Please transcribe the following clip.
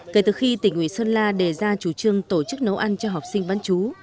kể từ khi tỉnh ủy sơn la đề ra chủ trương tổ chức nấu ăn cho học sinh bán chú